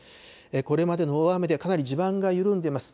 これまでの大雨でかなり地盤が緩んでいます。